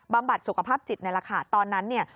บัดสุขภาพจิตนี่แหละค่ะตอนนั้นเนี่ย